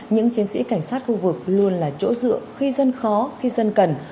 những chiến sĩ cảnh sát khu vực luôn là chỗ dựa khi dân khó khi dân cần